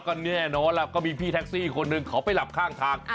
ก็แน่นอนล่ะก็มีพี่แท็กซี่คนหนึ่งเขาไปหลับข้างทาง